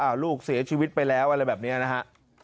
ลูกเสียชีวิตไปแล้วอะไรแบบนี้นะฮะ